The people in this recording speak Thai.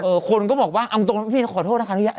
เออคนก็บอกว่าเอาจริงพี่ขอโทษนะคะ